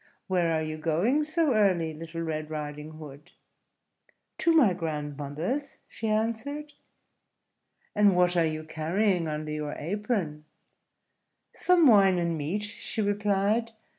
"Where are you going so early, Little Red Riding Hood?" "To my grandmother's," she answered. "And what are you carrying under your apron?" "Some wine and meat," she replied.